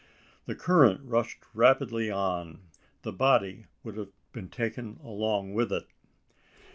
The current rushed rapidly on: the body would have been taken along with it?